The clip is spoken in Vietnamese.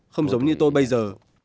không giống như tôi bây giờ